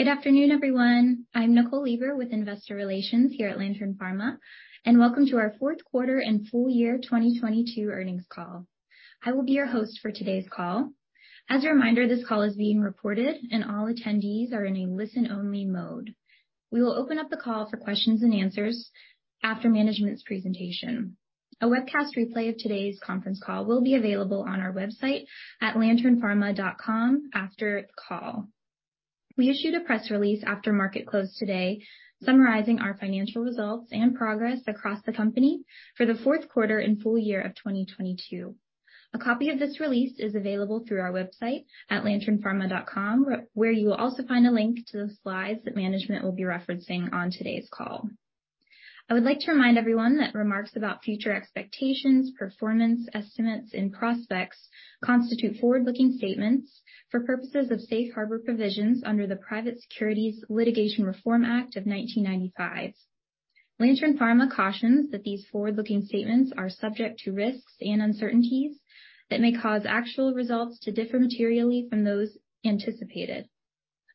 Good afternoon, everyone. I'm Nicole Leber with Investor Relations here at Lantern Pharma, and welcome to our fourth quarter and full year 2022 earnings call. I will be your host for today's call. As a reminder, this call is being recorded and all attendees are in a listen-only mode. We will open up the call for questions and answers after management's presentation. A webcast replay of today's conference call will be available on our website at lanternpharma.com after the call. We issued a press release after market close today summarizing our financial results and progress across the company for the fourth quarter and full year of 2022. A copy of this release is available through our website at lanternpharma.com, where you will also find a link to the slides that management will be referencing on today's call. I would like to remind everyone that remarks about future expectations, performance estimates, and prospects constitute forward-looking statements for purposes of safe harbor provisions under the Private Securities Litigation Reform Act of 1995. Lantern Pharma cautions that these forward-looking statements are subject to risks and uncertainties that may cause actual results to differ materially from those anticipated.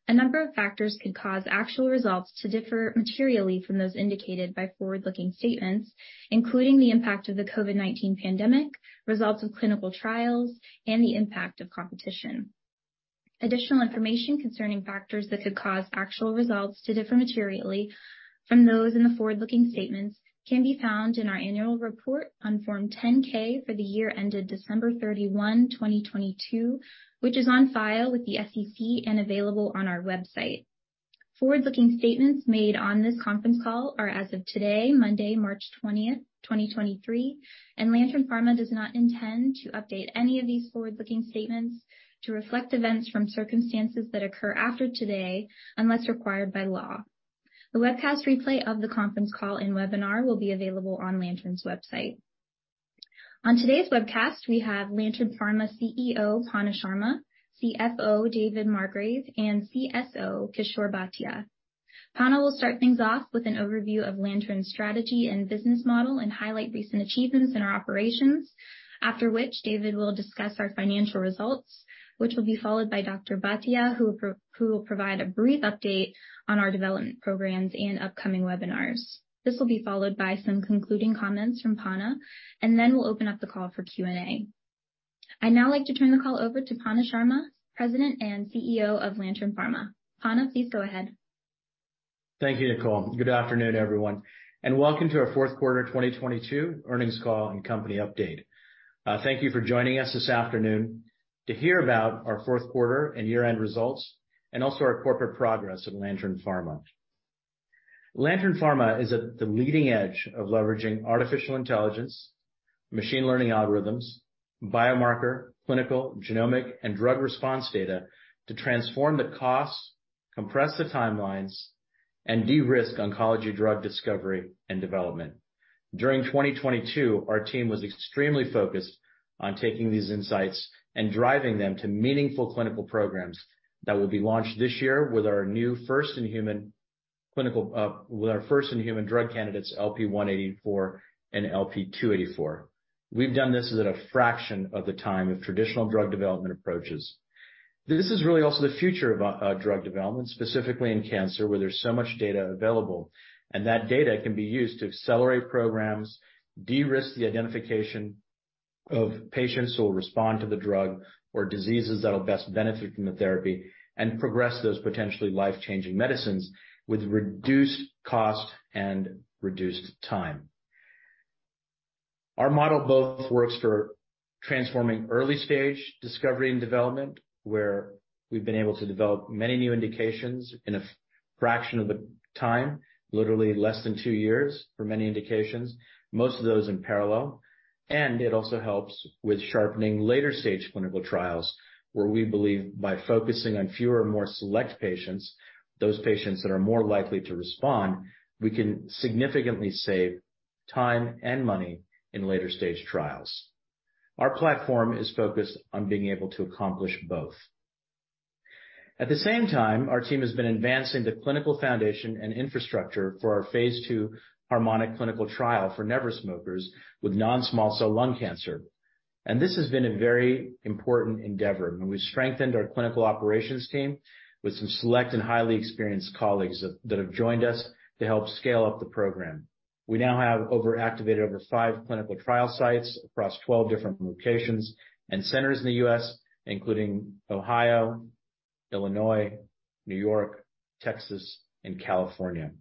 A number of factors could cause actual results to differ materially from those indicated by forward-looking statements, including the impact of the COVID-19 pandemic, results of clinical trials, and the impact of competition. Additional information concerning factors that could cause actual results to differ materially from those in the forward-looking statements can be found in our annual report on Form 10-K for the year ended December 31, 2022, which is on file with the SEC and available on our website. Forward-looking statements made on this conference call are as of today, Monday, March 20th, 2023, and Lantern Pharma does not intend to update any of these forward-looking statements to reflect events from circumstances that occur after today, unless required by law. The webcast replay of the conference call and webinar will be available on Lantern's website. On today's webcast, we have Lantern Pharma CEO Panna Sharma, CFO David Margrave, and CSO Kishore Bhatia. Panna will start things off with an overview of Lantern's strategy and business model and highlight recent achievements in our operations. After which, David will discuss our financial results, which will be followed by Dr. Bhatia, who will provide a brief update on our development programs and upcoming webinars. This will be followed by some concluding comments from Panna, and then we'll open up the call for Q&A. I'd now like to turn the call over to Panna Sharma, President and CEO of Lantern Pharma. Panna, please go ahead. Thank you, Nicole. Good afternoon, everyone, and welcome to our fourth quarter 2022 earnings call and company update. Thank you for joining us this afternoon to hear about our fourth quarter and year-end results, and also our corporate progress at Lantern Pharma. Lantern Pharma is at the leading edge of leveraging artificial intelligence, machine learning algorithms, biomarker, clinical, genomic, and drug response data to transform the costs, compress the timelines, and de-risk oncology drug discovery and development. During 2022, our team was extremely focused on taking these insights and driving them to meaningful clinical programs that will be launched this year with our first-in-human drug candidates, LP-184 and LP-284. We've done this at a fraction of the time of traditional drug development approaches. This is really also the future of drug development, specifically in cancer, where there's so much data available, and that data can be used to accelerate programs, de-risk the identification of patients who will respond to the drug or diseases that will best benefit from the therapy, and progress those potentially life-changing medicines with reduced cost and reduced time. Our model both works for transforming early-stage discovery and development, where we've been able to develop many new indications in a fraction of the time, literally less than two years for many indications, most of those in parallel. It also helps with sharpening later-stage clinical trials, where we believe by focusing on fewer, more select patients, those patients that are more likely to respond, we can significantly save time and money in later-stage trials. Our platform is focused on being able to accomplish both. At the same time, our team has been advancing the clinical foundation and infrastructure for our Phase 2 HARMONIC™ clinical trial for never-smoker non-small cell lung cancer. This has been a very important endeavor, and we've strengthened our clinical operations team with some select and highly experienced colleagues that have joined us to help scale up the program. We now have activated over 5 clinical trial sites across 12 different locations and centers in the U.S., including Ohio, Illinois, New York, Texas, and California.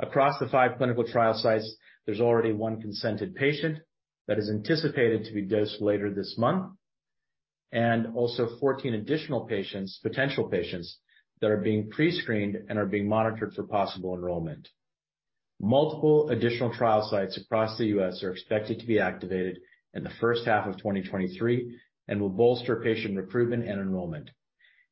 Across the 5 clinical trial sites, there's already 1 consented patient that is anticipated to be dosed later this month, and also 14 additional potential patients that are being pre-screened and are being monitored for possible enrollment. Multiple additional trial sites across the U.S. are expected to be activated in the first half of 2023 and will bolster patient recruitment and enrollment.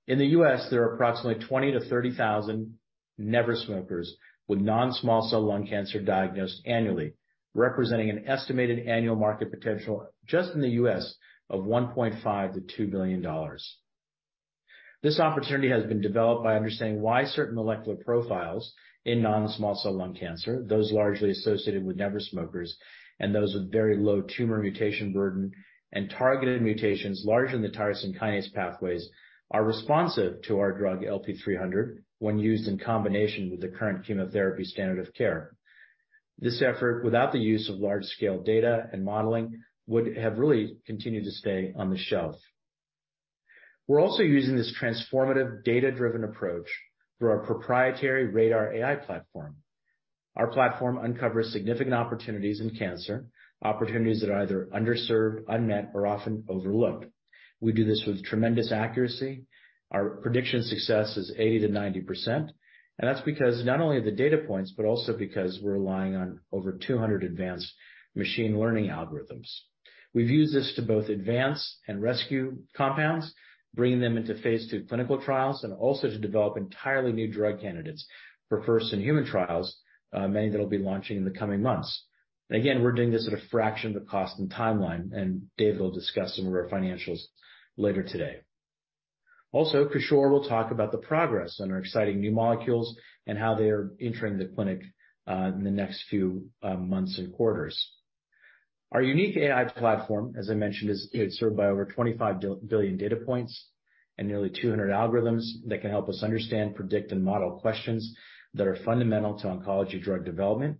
In the U.S., there are approximately 20,000-30,000 never smokers with non-small cell lung cancer diagnosed annually, representing an estimated annual market potential just in the U.S. of $1.5 billion-$2 billion. This opportunity has been developed by understanding why certain molecular profiles in non-small cell lung cancer, those largely associated with never smokers and those with very low tumor mutational burden and targeted mutations large in the tyrosine kinase pathways, are responsive to our drug LP-300 when used in combination with the current chemotherapy standard of care. This effort, without the use of large scale data and modeling, would have really continued to stay on the shelf. We're also using this transformative data-driven approach through our proprietary RADR AI platform. Our platform uncovers significant opportunities in cancer, opportunities that are either underserved, unmet, or often overlooked. We do this with tremendous accuracy. Our prediction success is 80%-90%, and that's because not only the data points, but also because we're relying on over 200 advanced machine learning algorithms. We've used this to both advance and rescue compounds, bringing them into phase 2 clinical trials and also to develop entirely new drug candidates for first-in-human trials, many that'll be launching in the coming months. Again, we're doing this at a fraction of the cost and timeline, Dave will discuss some of our financials later today. Kishor will talk about the progress on our exciting new molecules and how they are entering the clinic in the next few months and quarters. Our unique AI platform, as I mentioned, is served by over 25 billion data points and nearly 200 algorithms that can help us understand, predict, and model questions that are fundamental to oncology drug development.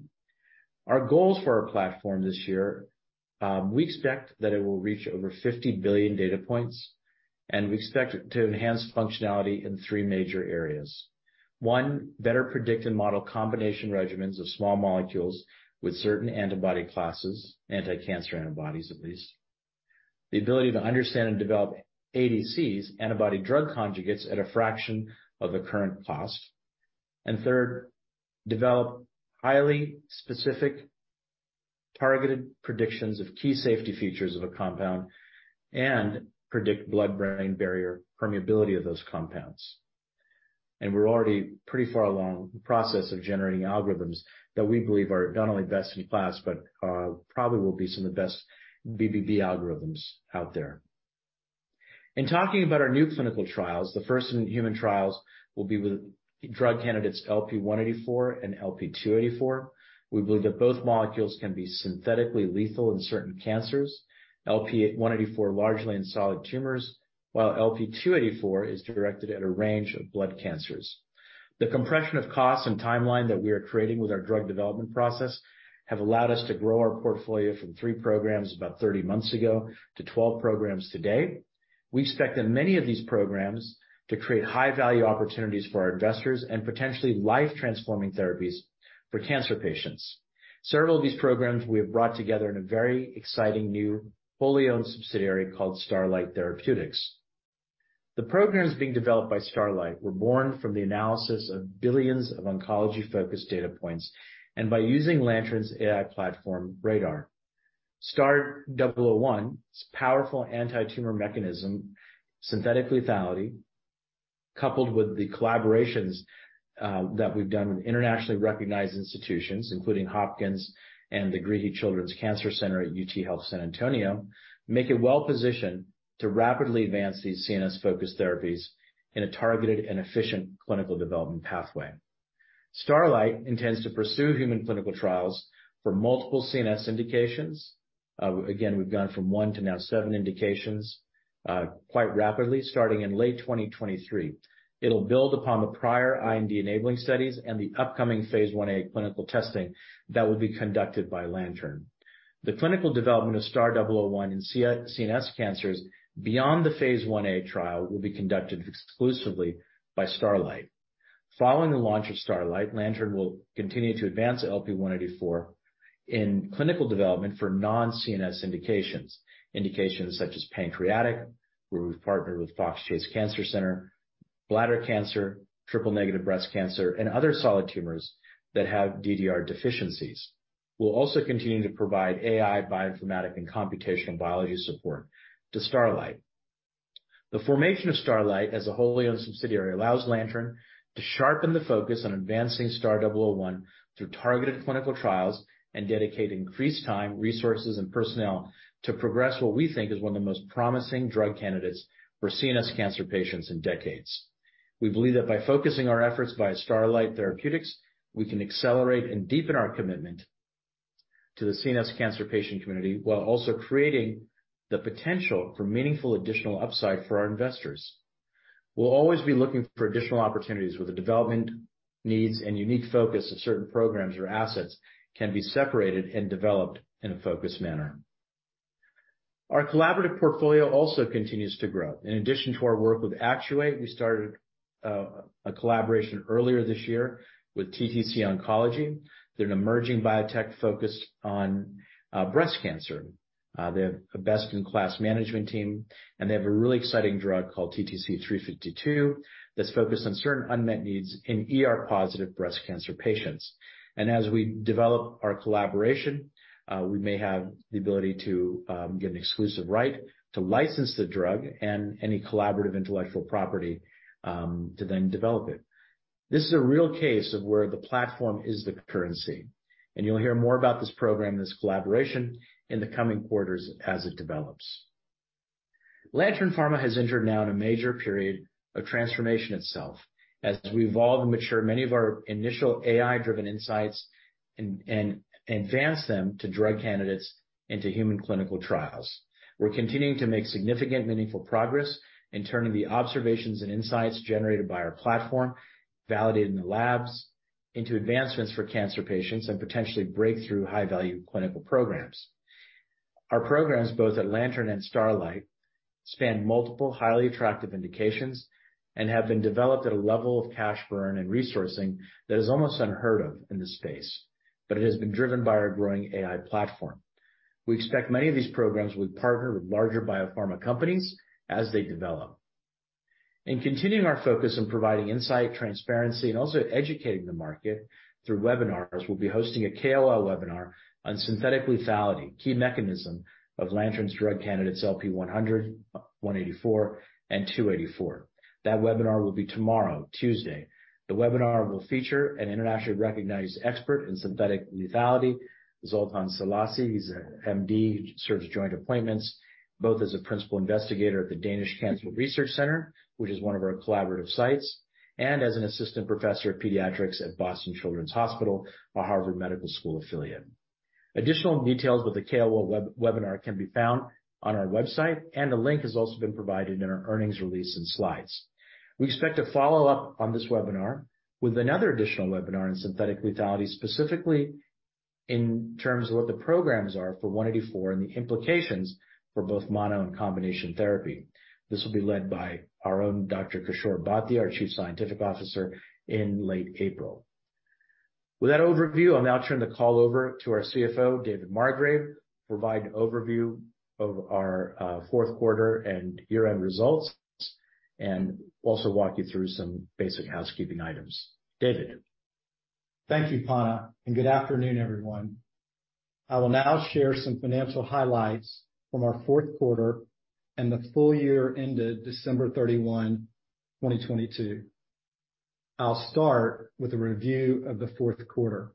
Our goals for our platform this year, we expect that it will reach over 50 billion data points, and we expect to enhance functionality in 3 major areas. One, better predict and model combination regimens of small molecules with certain antibody classes, anti-cancer antibodies, at least. The ability to understand and develop ADCs, antibody-drug conjugates, at a fraction of the current cost. Third, develop highly specific targeted predictions of key safety features of a compound and predict blood-brain barrier permeability of those compounds. We're already pretty far along the process of generating algorithms that we believe are not only best in class, but probably will be some of the best BBB algorithms out there. In talking about our new clinical trials, the first in human trials will be with drug candidates LP-184 and LP-284. We believe that both molecules can be synthetically lethal in certain cancers. LP-184, largely in solid tumors, while LP-284 is directed at a range of blood cancers. The compression of cost and timeline that we are creating with our drug development process have allowed us to grow our portfolio from 3 programs about 30 months ago to 12 programs today. We expect that many of these programs to create high value opportunities for our investors and potentially life-transforming therapies for cancer patients. Several of these programs we have brought together in a very exciting new wholly owned subsidiary called Starlight Therapeutics. The programs being developed by Starlight were born from the analysis of billions of oncology-focused data points, and by using Lantern's AI platform, RADR. STAR-001's powerful anti-tumor mechanism, synthetic lethality, coupled with the collaborations that we've done with internationally recognized institutions, including Hopkins and the Greehey Children's Cancer Research Institute at UT Health San Antonio, make it well positioned to rapidly advance these CNS-focused therapies in a targeted and efficient clinical development pathway. Starlight intends to pursue human clinical trials for multiple CNS indications. Again, we've gone from 1 to now 7 indications, quite rapidly starting in late 2023. It'll build upon the prior IND-enabling studies and the upcoming phase 1a clinical testing that will be conducted by Lantern. The clinical development of STAR-001 in CNS cancers beyond the phase 1a trial will be conducted exclusively by Starlight. Following the launch of Starlight, Lantern will continue to advance LP-184 in clinical development for non-CNS indications. Indications such as pancreatic, where we've partnered with Fox Chase Cancer Center, bladder cancer, triple-negative breast cancer, and other solid tumors that have DDR deficiencies. We'll also continue to provide AI, bioinformatic, and computational biology support to Starlight. The formation of Starlight as a wholly owned subsidiary allows Lantern to sharpen the focus on advancing STAR-001 through targeted clinical trials and dedicate increased time, resources, and personnel to progress what we think is one of the most promising drug candidates for CNS cancer patients in decades. We believe that by focusing our efforts via Starlight Therapeutics, we can accelerate and deepen our commitment to the CNS cancer patient community while also creating the potential for meaningful additional upside for our investors. We'll always be looking for additional opportunities where the development needs and unique focus of certain programs or assets can be separated and developed in a focused manner. Our collaborative portfolio also continues to grow. In addition to our work with Actuate, we started a collaboration earlier this year with TTC Oncology. They're an emerging biotech focused on breast cancer. They have a best-in-class management team, and they have a really exciting drug called TTC-352 that's focused on certain unmet needs in ER-positive breast cancer patients. As we develop our collaboration, we may have the ability to get an exclusive right to license the drug and any collaborative intellectual property to then develop it. This is a real case of where the platform is the currency, and you'll hear more about this program, this collaboration, in the coming quarters as it develops. Lantern Pharma has entered now in a major period of transformation itself as we evolve and mature many of our initial AI-driven insights and advance them to drug candidates into human clinical trials. We're continuing to make significant, meaningful progress in turning the observations and insights generated by our platform, validated in the labs, into advancements for cancer patients and potentially breakthrough high-value clinical programs. Our programs, both at Lantern and Starlight, span multiple highly attractive indications and have been developed at a level of cash burn and resourcing that is almost unheard of in this space, but it has been driven by our growing AI platform. We expect many of these programs will partner with larger biopharma companies as they develop. In continuing our focus on providing insight, transparency, and also educating the market through webinars, we'll be hosting a KOL webinar on synthetic lethality, key mechanism of Lantern's drug candidates, LP-100, 184, and 284. That webinar will be tomorrow, Tuesday. The webinar will feature an internationally recognized expert in synthetic lethality, Zsolt Szallasi. He's an M.D. He serves joint appointments both as a principal investigator at the Danish Cancer Society Research Center, which is one of our collaborative sites, and as an Assistant Professor of Pediatrics at Boston Children's Hospital, a Harvard Medical School affiliate. Additional details about the KOL webinar can be found on our website, and a link has also been provided in our earnings release and slides. We expect to follow up on this webinar with another additional webinar on synthetic lethality, specifically in terms of what the programs are for 184 and the implications for both mono and combination therapy. This will be led by our own Dr. Kishor Bhatia, our Chief Scientific Officer, in late April. With that overview, I'll now turn the call over to our CFO, David Margrave, provide an overview of our fourth quarter and year-end results and also walk you through some basic housekeeping items. David? Thank you, Panna, and good afternoon, everyone. I will now share some financial highlights from our fourth quarter and the full year ended December 31, 2022. I'll start with a review of the fourth quarter.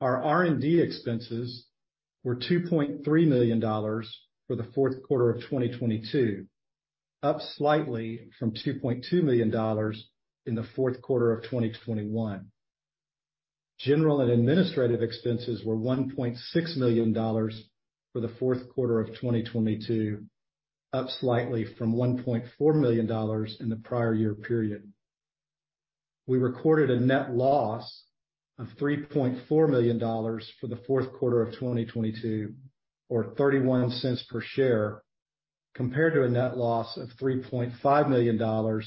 Our R&D expenses were $2.3 million for the fourth quarter of 2022, up slightly from $2.2 million in the fourth quarter of 2021. General and administrative expenses were $1.6 million for the fourth quarter of 2022, up slightly from $1.4 million in the prior year period. We recorded a net loss of $3.4 million for the fourth quarter of 2022 or $0.31 per share, compared to a net loss of $3.5 million or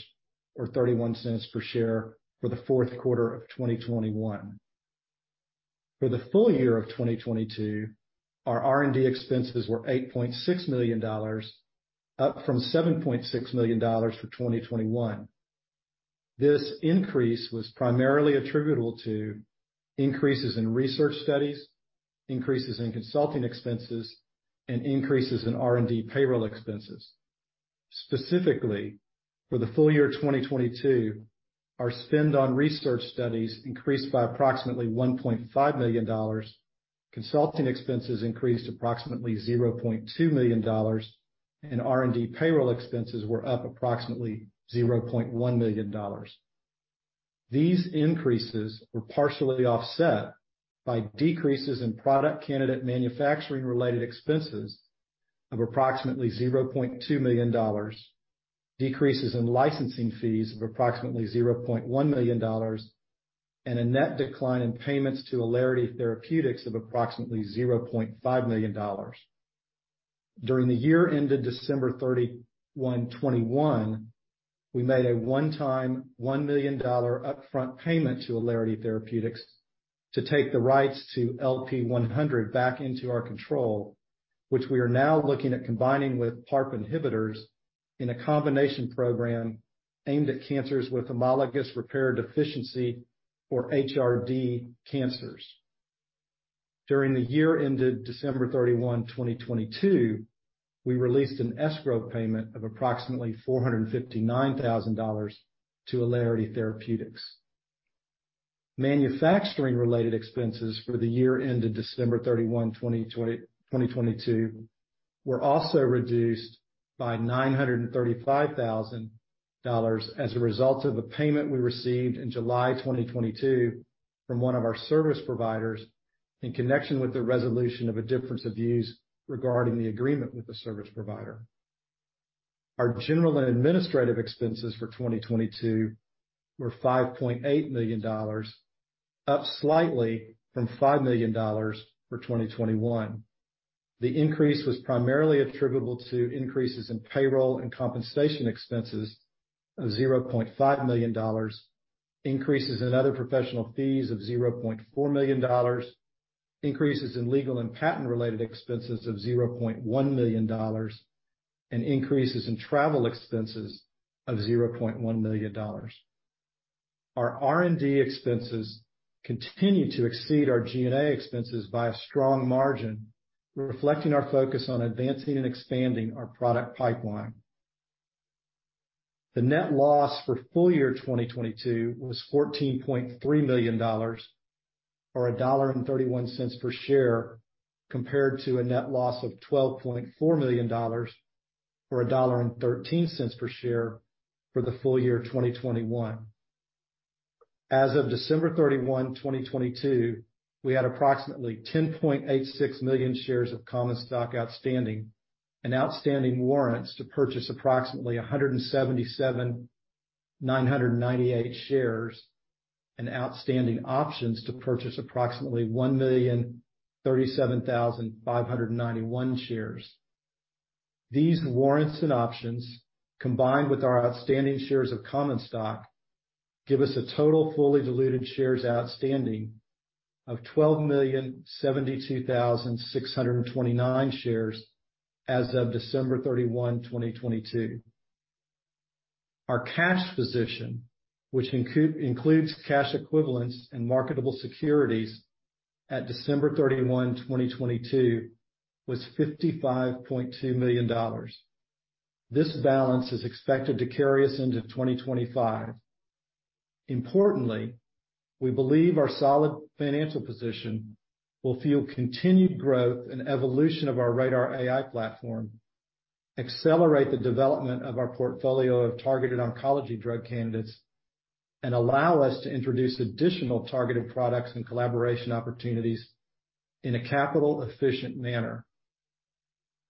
$0.31 per share for the fourth quarter of 2021. For the full year of 2022, our R&D expenses were $8.6 million, up from $7.6 million for 2021. This increase was primarily attributable to increases in research studies, increases in consulting expenses, and increases in R&D payroll expenses. Specifically, for the full year 2022, our spend on research studies increased by approximately $1.5 million, consulting expenses increased approximately $0.2 million, and R&D payroll expenses were up approximately $0.1 million. These increases were partially offset by decreases in product candidate manufacturing-related expenses of approximately $0.2 million, decreases in licensing fees of approximately $0.1 million, and a net decline in payments to Allarity Therapeutics of approximately $0.5 million. During the year ended December 31, 2021, we made a one-time $1 million upfront payment to Allarity Therapeutics to take the rights to LP-100 back into our control, which we are now looking at combining with PARP inhibitors in a combination program aimed at cancers with homologous recombination deficiency, or HRD cancers. During the year ended December 31, 2022, we released an escrow payment of approximately $459,000 to Allarity Therapeutics. Manufacturing-related expenses for the year ended December 31, 2022 were also reduced by $935,000 as a result of a payment we received in July 2022 from one of our service providers in connection with the resolution of a difference of views regarding the agreement with the service provider. Our general and administrative expenses for 2022 were $5.8 million, up slightly from $5 million for 2021. The increase was primarily attributable to increases in payroll and compensation expenses of $0.5 million, increases in other professional fees of $0.4 million, increases in legal and patent-related expenses of $0.1 million, and increases in travel expenses of $0.1 million. Our R&D expenses continue to exceed our G&A expenses by a strong margin, reflecting our focus on advancing and expanding our product pipeline. The net loss for full year 2022 was $14.3 million or $1.31 per share, compared to a net loss of $12.4 million or $1.13 per share for the full year of 2021. As of December 31, 2022, we had approximately 10.86 million shares of common stock outstanding and outstanding warrants to purchase approximately 177,998 shares and outstanding options to purchase approximately 1,037,591 shares. These warrants and options, combined with our outstanding shares of common stock, give us a total fully diluted shares outstanding of 12,072,629 shares as of December 31, 2022. Our cash position, which includes cash equivalents and marketable securities at December 31, 2022, was $55.2 million. This balance is expected to carry us into 2025. Importantly, we believe our solid financial position will fuel continued growth and evolution of our RADR AI platform, accelerate the development of our portfolio of targeted oncology drug candidates, and allow us to introduce additional targeted products and collaboration opportunities in a capital-efficient manner.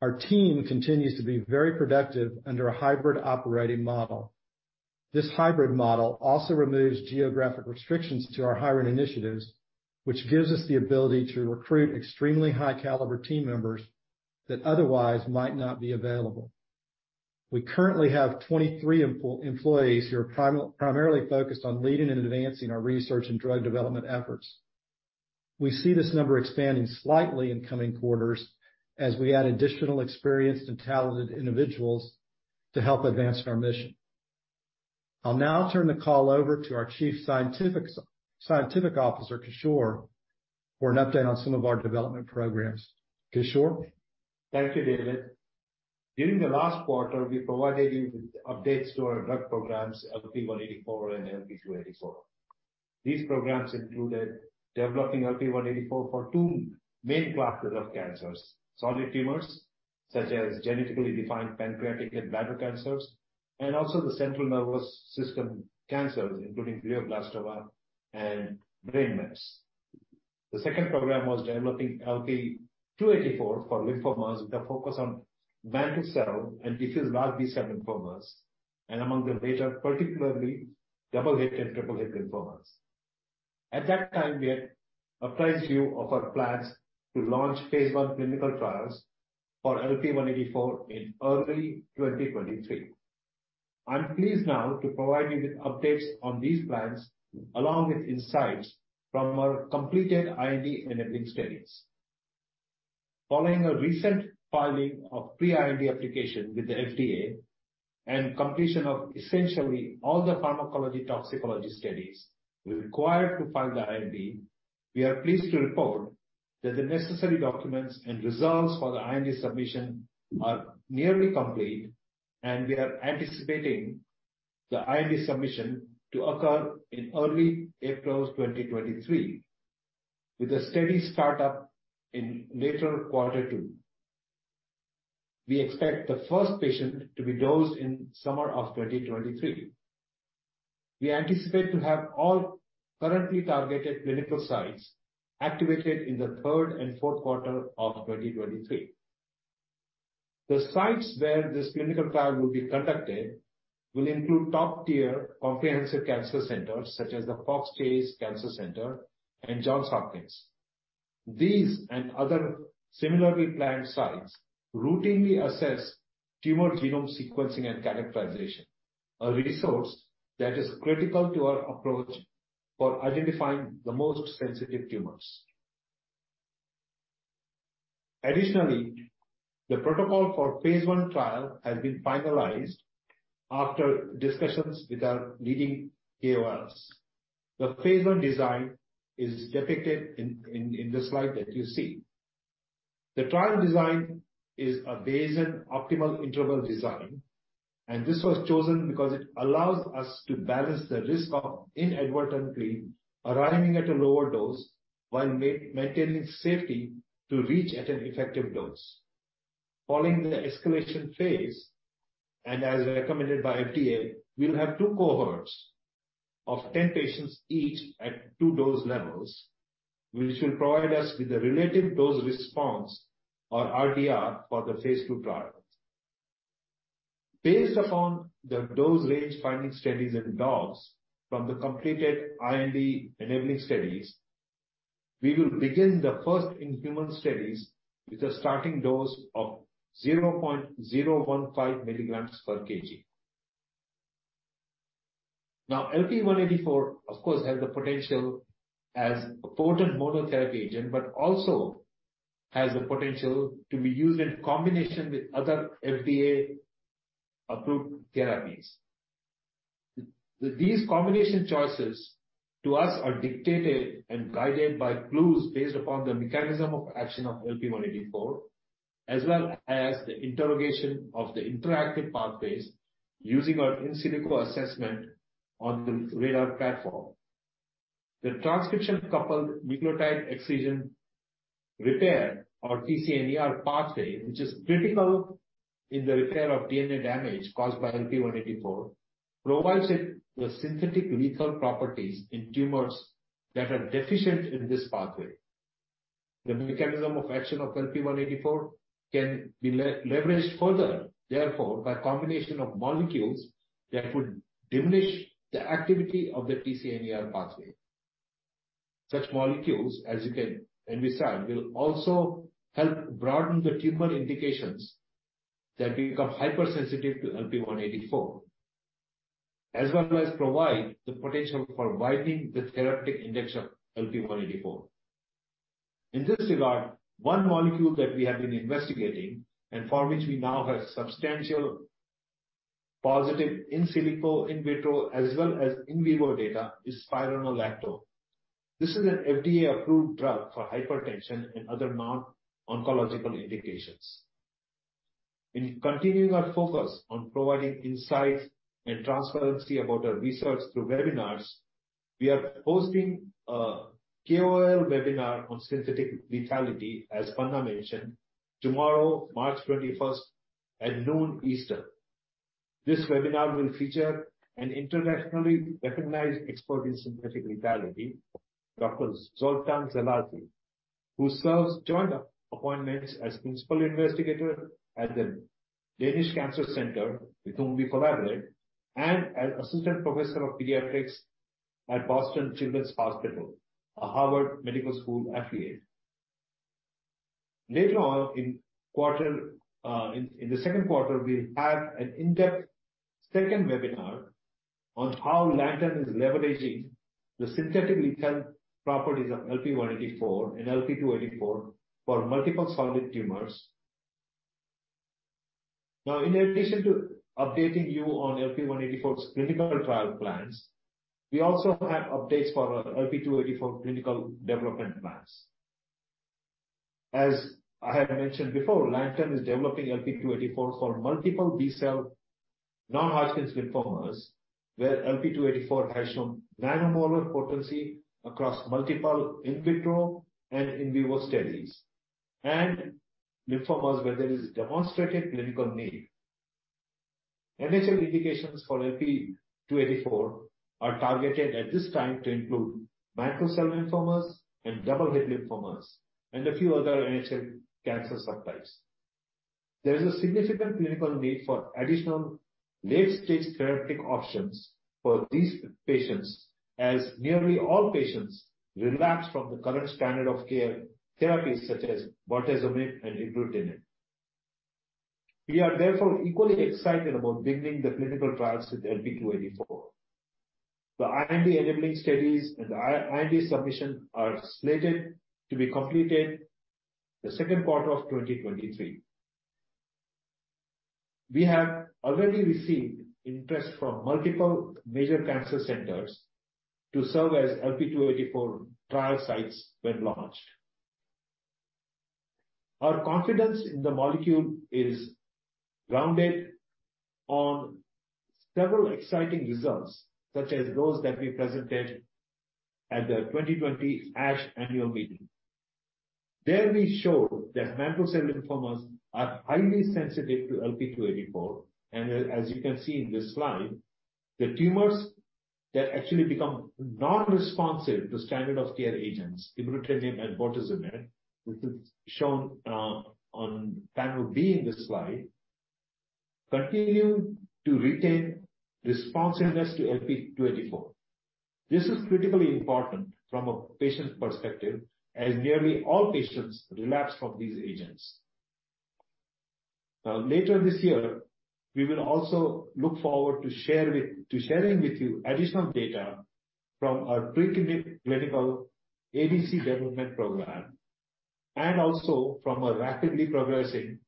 Our team continues to be very productive under a hybrid operating model. This hybrid model also removes geographic restrictions to our hiring initiatives, which gives us the ability to recruit extremely high caliber team members that otherwise might not be available. We currently have 23 employees who are primarily focused on leading and advancing our research and drug development efforts. We see this number expanding slightly in coming quarters as we add additional experienced and talented individuals to help advance our mission. I'll now turn the call over to our Chief Scientific Officer, Kishore, for an update on some of our development programs. Kishore. Thank you, David. During the last quarter, we provided you with updates to our drug programs, LP-184 and LP-284. These programs included developing LP-184 for 2 main classes of cancers, solid tumors, such as genetically defined pancreatic and bladder cancers, and also the central nervous system cancers, including glioblastoma and brain mets. The second program was developing LP-284 for lymphomas with a focus on mantle cell and diffuse large B-cell lymphomas, and among the latter, particularly double-hit and triple-hit lymphomas. At that time, we had appraised you of our plans to launch phase 1 clinical trials for LP-184 in early 2023. I'm pleased now to provide you with updates on these plans, along with insights from our completed IND-enabling studies. Following a recent filing of pre-IND application with the FDA and completion of essentially all the pharmacology toxicology studies required to file the IND, we are pleased to report that the necessary documents and results for the IND submission are nearly complete, and we are anticipating the IND submission to occur in early April 2023, with a study start-up in later quarter two. We expect the first patient to be dosed in summer of 2023. We anticipate to have all currently targeted clinical sites activated in the third and fourth quarter of 2023. The sites where this clinical trial will be conducted will include top-tier comprehensive cancer centers such as the Fox Chase Cancer Center and Johns Hopkins. These and other similarly planned sites routinely assess tumor genome sequencing and characterization, a resource that is critical to our approach for identifying the most sensitive tumors. Additionally, the protocol for phase one trial has been finalized after discussions with our leading KOLs. The phase one design is depicted in the slide that you see. The trial design is a Bayesian optimal interval design, and this was chosen because it allows us to balance the risk of inadvertently arriving at a lower dose while maintaining safety to reach at an effective dose. Following the escalation phase, and as recommended by FDA, we'll have two cohorts of 10 patients each at two dose levels, which will provide us with the relative dose response or RDR for the phase two trial. Based upon the dose range finding studies and dogs from the completed IND-enabling studies, we will begin the first-in-human studies with a starting dose of 0.015 milligrams per kg. LP-184 of course, has the potential as a potent monotherapy agent, but also has the potential to be used in combination with other FDA-approved therapies. These combination choices to us are dictated and guided by clues based upon the mechanism of action of LP-184, as well as the interrogation of the interactive pathways using our in silico assessment on the RADR platform. The transcription-coupled nucleotide excision repair or TC-NER pathway, which is critical in the repair of DNA damage caused by LP-184, provides it with synthetic lethal properties in tumors that are deficient in this pathway. The mechanism of action of LP-184 can be leveraged further, therefore, by combination of molecules that would diminish the activity of the TCNER pathway. Such molecules, as we saw, will also help broaden the tumor indications that become hypersensitive to LP-184, as well as provide the potential for widening the therapeutic index of LP-184. In this regard, one molecule that we have been investigating, and for which we now have substantial positive in silico, in vitro, as well as in vivo data, is spironolactone. This is an FDA-approved drug for hypertension and other non-oncological indications. In continuing our focus on providing insights and transparency about our research through webinars, we are hosting a KOL webinar on synthetic lethality, as Panna mentioned, tomorrow, March 21st at 12:00 P.M. Eastern. This webinar will feature an internationally recognized expert in synthetic lethality, Dr. Zsolt Szallasi, who serves joint appointments as Principal Investigator at the Danish Cancer Society Research Center, with whom we collaborate, and as Assistant Professor of Pediatrics at Boston Children's Hospital, a Harvard Medical School affiliate. Later on in the second quarter, we'll have an in-depth second webinar on how Lantern is leveraging the synthetic lethal properties of LP-184 and LP-284 for multiple solid tumors. In addition to updating you on LP-184's clinical trial plans, we also have updates for our LP-284 clinical development plans. As I have mentioned before, Lantern is developing LP-284 for multiple B-cell non-Hodgkin's lymphomas, where LP-284 has shown nanomolar potency across multiple in vitro and in vivo studies, and lymphomas where there is demonstrated clinical need. NHL indications for LP-284 are targeted at this time to include mantle cell lymphomas and double-hit lymphomas, a few other NHL cancer subtypes. There is a significant clinical need for additional late-stage therapeutic options for these patients, as nearly all patients relapse from the current standard of care therapies such as bortezomib and ibrutinib. We are therefore equally excited about beginning the clinical trials with LP-284. The IND-enabling studies and the IND submission are slated to be completed the second quarter of 2023. We have already received interest from multiple major cancer centers to serve as LP-284 trial sites when launched. Our confidence in the molecule is grounded on several exciting results, such as those that we presented at the 2020 ASH annual meeting. There we showed that mantle cell lymphomas are highly sensitive to LP-284. As you can see in this slide, the tumors that actually become non-responsive to standard of care agents, ibrutinib and bortezomib, which is shown on panel B in this slide, continue to retain responsiveness to LP-284. This is critically important from a patient's perspective, as nearly all patients relapse from these agents. Later this year, we will also look forward to sharing with you additional data from our preclinical ADC development program, and also from our rapidly progressing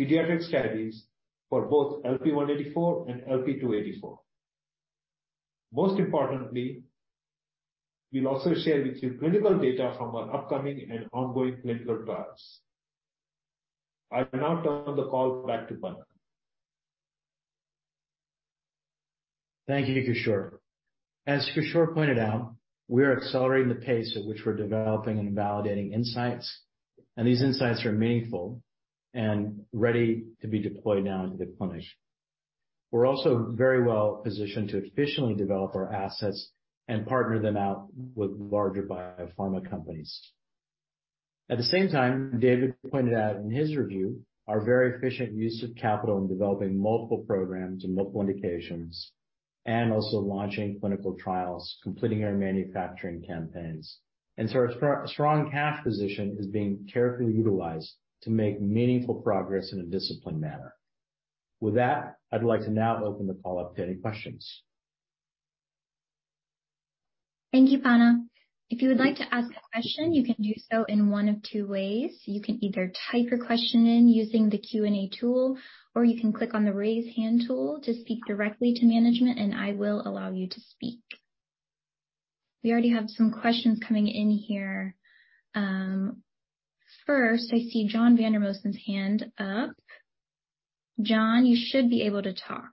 pediatric studies for both LP-184 and LP-284. Most importantly, we'll also share with you clinical data from our upcoming and ongoing clinical trials. I will now turn the call back to Panna. Thank you, Kishor. As Kishor pointed out, we are accelerating the pace at which we're developing and validating insights, and these insights are meaningful and ready to be deployed now into the clinician. We're also very well-positioned to efficiently develop our assets and partner them out with larger biopharma companies. At the same time, David pointed out in his review our very efficient use of capital in developing multiple programs and multiple indications, and also launching clinical trials, completing our manufacturing campaigns. Our strong cash position is being carefully utilized to make meaningful progress in a disciplined manner. With that, I'd like to now open the call up to any questions. Thank you, Panna. If you would like to ask a question, you can do so in one of two ways. You can either type your question in using the Q&A tool, or you can click on the Raise Hand tool to speak directly to management. I will allow you to speak. We already have some questions coming in here. First I see John Vandermosten's hand up. John, you should be able to talk.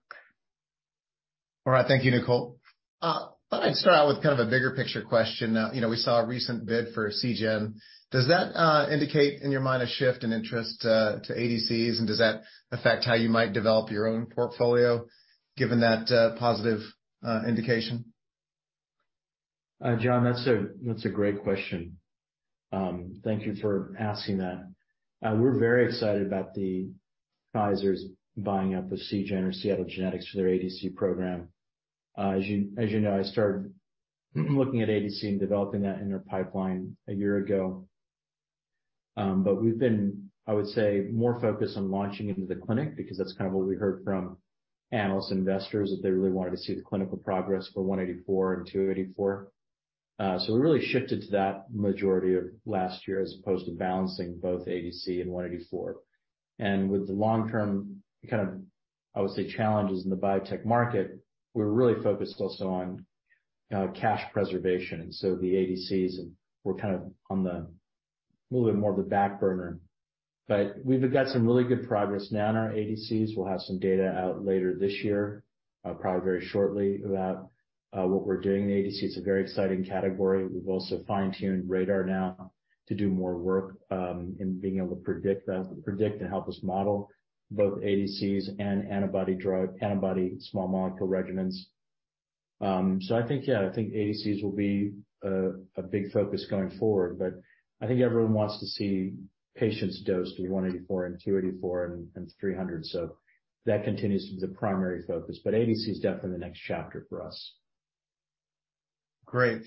All right. Thank you, Nicole. Thought I'd start out with kind of a bigger picture question. You know, we saw a recent bid for Seagen. Does that indicate in your mind a shift in interest to ADCs, and does that affect how you might develop your own portfolio given that positive indication? John, that's a great question. Thank you for asking that. We're very excited about the Pfizer buying up of Seagen or Seattle Genetics for their ADC program. As you know, I started looking at ADC and developing that in their pipeline a year ago. We've been, I would say, more focused on launching into the clinic because that's kind of what we heard from analysts, investors that they really wanted to see the clinical progress for LP-184 and LP-284. We really shifted to that majority of last year as opposed to balancing both ADC and LP-184. With the long term kind of, I would say, challenges in the biotech market, we're really focused also on cash preservation. The ADCs and we're kind of on the little bit more of the back burner, but we've got some really good progress now in our ADCs. We'll have some data out later this year, probably very shortly about what we're doing in the ADC. It's a very exciting category. We've also fine-tuned RADR now to do more work in being able to predict and help us model both ADCs and antibody small molecule regimens. I think, yeah, I think ADCs will be a big focus going forward, but I think everyone wants to see patients dosed in LP-184 and LP-284 and LP-300. That continues to be the primary focus. ADC is definitely the next chapter for us. Great.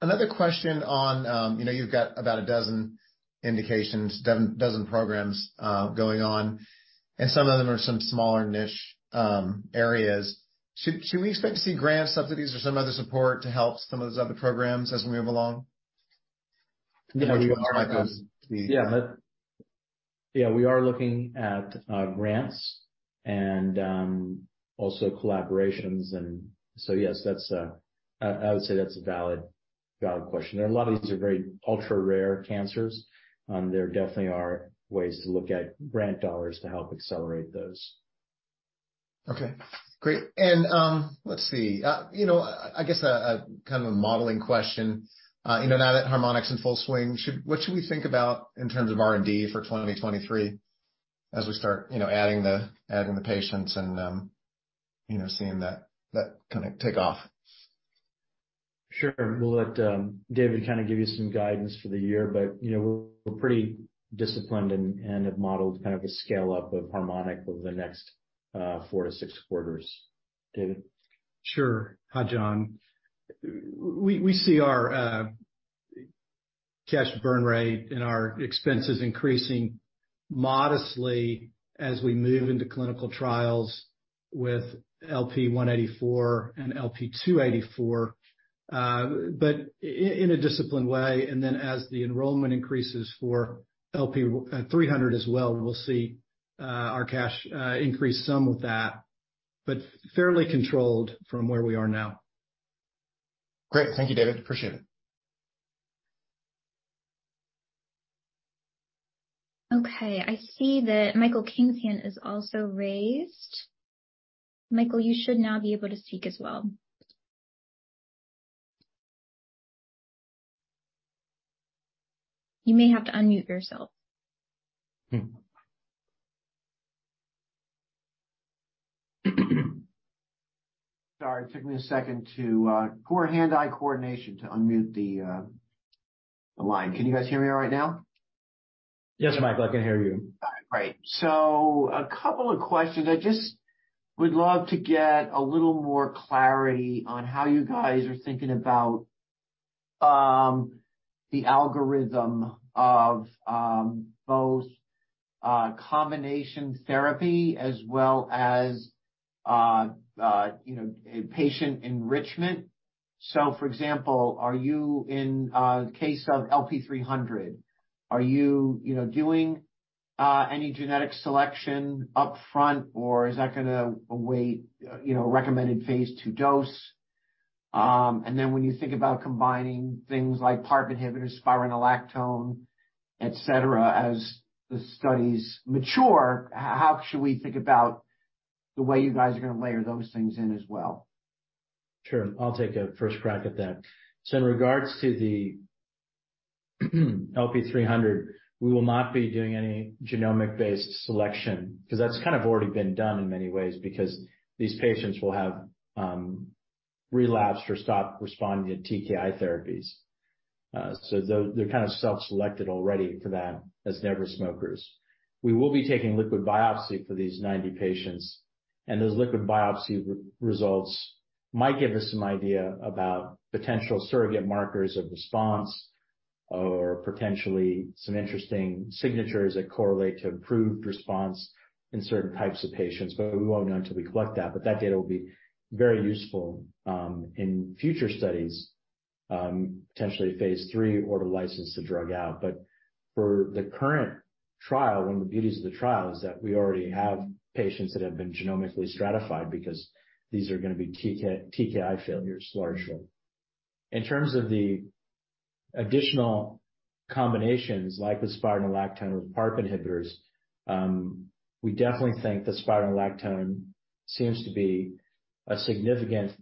Another question on, you know, you've got about 12 indications, 12 programs, going on, and some of them are some smaller niche areas. Should we expect to see grants, subsidies or some other support to help some of those other programs as we move along? Yeah. We are looking at grants and also collaborations. Yes, I would say that's a valid question. There are a lot of these are very ultra rare cancers. There definitely are ways to look at grant dollars to help accelerate those. Okay, great. Let's see. You know, I guess a kind of a modeling question? You know, now that HARMONIC's in full swing, what should we think about in terms of R&D for 2023 as we start, you know, adding the patients and, you know, seeing that kind of take off? Sure. We'll let, David kind of give you some guidance for the year, but, you know, we're pretty disciplined and have modeled kind of a scale-up of HARMONIC over the next, 4 to 6 quarters. David? Sure. Hi, John. We see our cash burn rate and our expenses increasing modestly as we move into clinical trials with LP-184 and LP-284, but in a disciplined way. As the enrollment increases for LP-300 as well, we'll see our cash increase some with that, but fairly controlled from where we are now. Great. Thank you, David. Appreciate it. I see that Michael King's hand is also raised. Michael, you should now be able to speak as well. You may have to unmute yourself. Hmm. Sorry. It took me a second to, poor hand-eye coordination to unmute the line. Can you guys hear me all right now? Yes, Michael, I can hear you. All right. A couple of questions. I just would love to get a little more clarity on how you guys are thinking about the algorithm of both combination therapy as well as, you know, patient enrichment. For example, are you in case of LP-300, are you know, doing any genetic selection upfront or is that gonna await, you know, recommended phase 2 dose? When you think about combining things like PARP inhibitors, spironolactone, et cetera, as the studies mature, how should we think about the way you guys are gonna layer those things in as well? Sure. I'll take a first crack at that. In regards to the LP-300, we will not be doing any genomic-based selection 'cause that's kind of already been done in many ways because these patients will have relapsed or stopped responding to TKI therapies. They're kind of self-selected already for that as never smokers. We will be taking liquid biopsy for these 90 patients, and those liquid biopsy re-results might give us some idea about potential surrogate markers of response or potentially some interesting signatures that correlate to improved response in certain types of patients, but we won't know until we collect that. That data will be very useful in future studies, potentially phase 3 or to license the drug out. For the current trial, one of the beauties of the trial is that we already have patients that have been genomically stratified because these are gonna be TKI failures, largely. In terms of the additional combinations like with spironolactone or PARP inhibitors, we definitely think that spironolactone seems to be a significant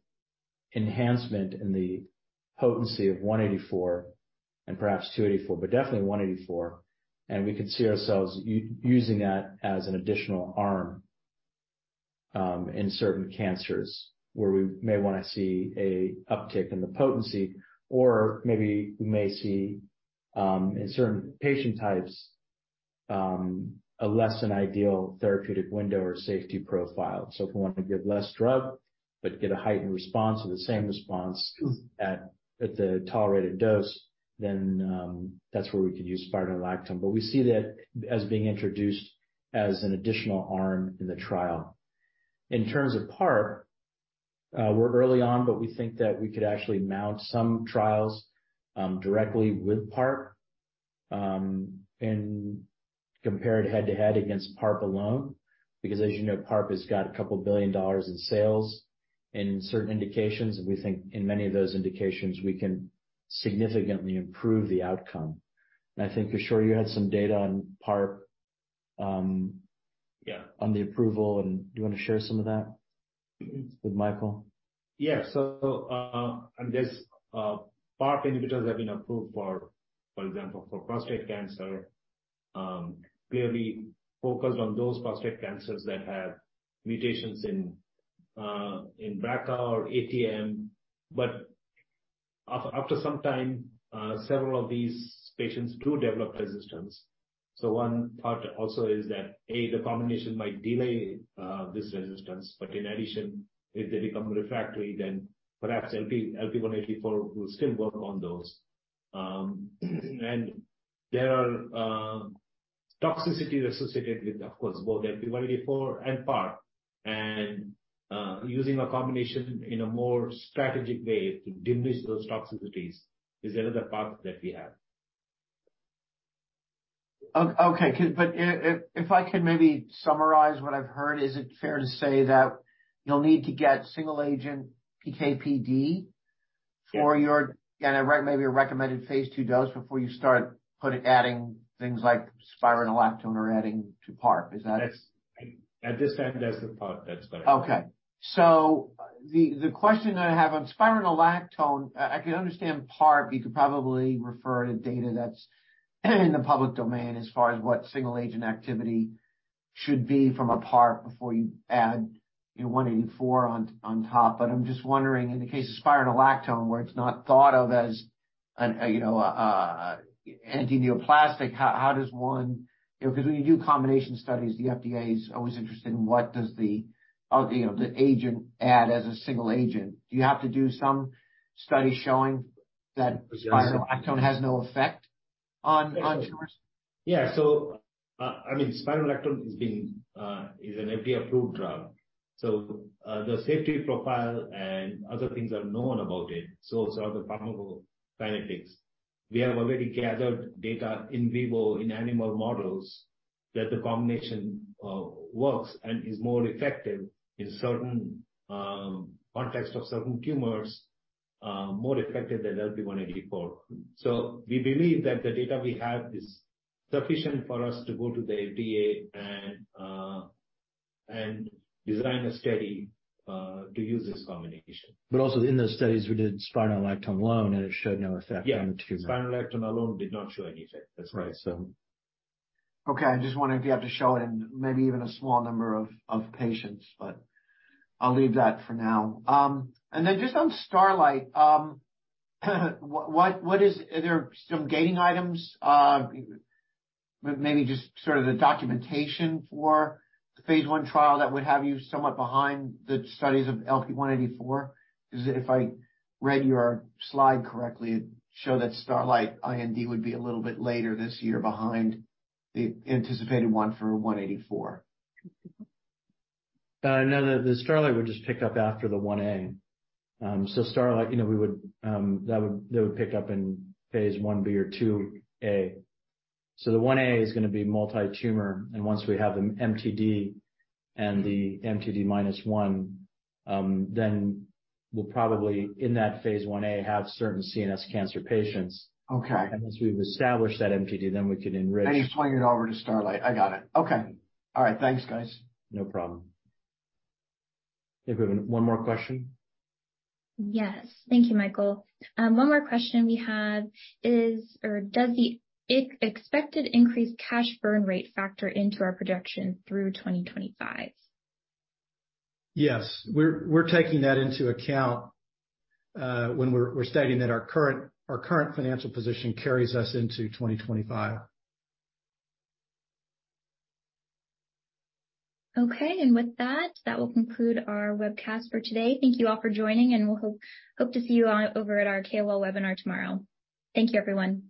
enhancement in the potency of LP-184. Perhaps LP-284, but definitely LP-184. We could see ourselves using that as an additional arm in certain cancers where we may wanna see a uptick in the potency or maybe we may see in certain patient types a less than ideal therapeutic window or safety profile. If we want to give less drug but get a heightened response or the same response at the tolerated dose, that's where we could use spironolactone. We see that as being introduced as an additional arm in the trial. In terms of PARP, we're early on, but we think that we could actually mount some trials directly with PARP and compare it head to head against PARP alone, because as you know, PARP has got $2 billion in sales in certain indications. We think in many of those indications we can significantly improve the outcome. I think, Kishor, you had some data on PARP. Yeah... on the approval. Do you want to share some of that with Michael? There's PARP inhibitors have been approved for example, for prostate cancer, clearly focused on those prostate cancers that have mutations in BRCA or ATM. After some time, several of these patients do develop resistance. One part also is that, A, the combination might delay this resistance, but in addition, if they become refractory, then perhaps LP-184 will still work on those. There are toxicities associated with, of course, both LP-184 and PARP and using a combination in a more strategic way to diminish those toxicities is another path that we have. Okay. If I can maybe summarize what I've heard, is it fair to say that you'll need to get single agent PK/PD for your...? Yeah. Maybe a recommended phase 2 dose before you start putting, adding things like spironolactone or adding to PARP. Is that? At this time, that's the thought. That's better. The question I have on spironolactone, I can understand PARP, you could probably refer to data that's in the public domain as far as what single agent activity should be from a PARP before you add, you know, LP-184 on top. I'm just wondering, in the case of spironolactone, where it's not thought of as, you know, anti-neoplastic. You know, 'cause when you do combination studies, the FDA is always interested in what does the, you know, the agent add as a single agent. Do you have to do some study showing that spironolactone has no effect on tumors? I mean, spironolactone is being, is an FDA-approved drug. The safety profile and other things are known about it. So are the pharmacokinetics. We have already gathered data in vivo, in animal models that the combination, works and is more effective in certain, context of certain tumors, more effective than LP-184. We believe that the data we have is sufficient for us to go to the FDA and design a study, to use this combination. Also in those studies, we did spironolactone alone, and it showed no effect on the tumor. Yeah. Spironolactone alone did not show any effect. That's right. So. Okay. I'm just wondering if you have to show it in maybe even a small number of patients, but I'll leave that for now. Then just on Starlight, Are there some gating items, maybe just sort of the documentation for the phase 1 trial that would have you somewhat behind the studies of LP-184? Because if I read your slide correctly, it showed that Starlight IND would be a little bit later this year behind the anticipated one for 184. No. The Starlight would just pick up after the phase 1a. Starlight, you know, we would, they would pick up in phase 1b or phase 2a. The phase 1a is gonna be multi-tumor. Once we have an MTD and the MTD minus 1, then we'll probably in that phase 1a have certain CNS cancer patients. Okay. Once we've established that MTD, then we can enrich... You swing it over to Starlight. I got it. Okay. All right. Thanks, guys. No problem. If we have one more question. Yes. Thank you, Michael. One more question we have is or does the expected increased cash burn rate factor into our projection through 2025? Yes. We're taking that into account when we're stating that our current financial position carries us into 2025. Okay. With that will conclude our webcast for today. Thank you all for joining. We'll hope to see you over at our KOL webinar tomorrow. Thank you, everyone.